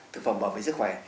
thực phẩm bảo vệ sức khỏe